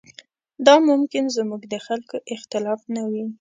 دا ممکن زموږ د خلکو اختلاف نه وي.